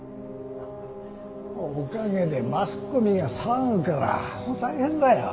おかげでマスコミが騒ぐから大変だよ。